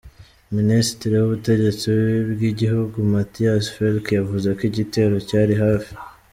Ministri w'ubutegetsi bw'igihugu, Matthias Fekl yavuze ko igitero cyari hafi.